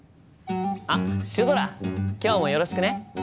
あっシュドラ今日もよろしくね！